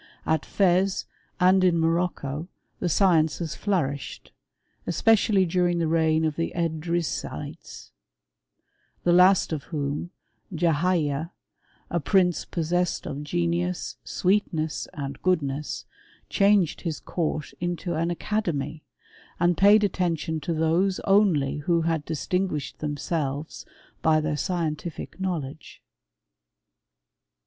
At Fez and in Morocco the sciences flourished^ especially during the reign of the Edrisites, the last of whom, Jahiah, a prince possessed of genius, sweetness, and goodness^ changed his court into an academy, and paid atten tion to those only who had distinguished themselves by their scientific knowledge.